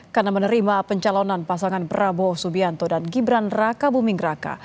karena menerima pencalonan pasangan bravo subianto dan gibran raka buming raka